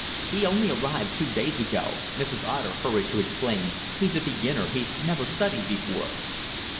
"He only arrived two days ago," Mrs. Otter hurried to explain. "He's a beginner. He's never studied before."